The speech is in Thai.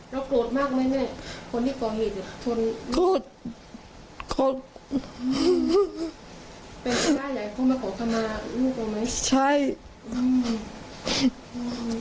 แล้วโกรธมากไหมคนที่ก่อเหตุ